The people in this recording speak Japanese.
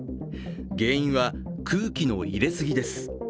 原因は空気の入れすぎです。